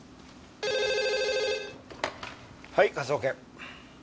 はい科捜研。